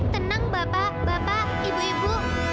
tenang bapak bapak ibu ibu